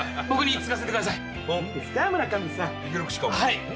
僕につがせてください。